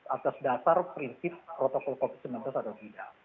atas dasar prinsip protokol covid sembilan belas atau tidak